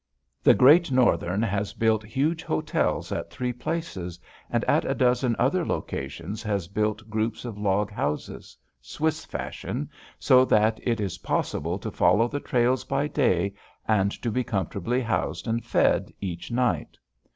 The Great Northern has built huge hotels in three places and at a dozen other locations has built groups of log houses, Swiss fashion, so that it is possible to follow the trails by day and to be comfortably housed and fed each night.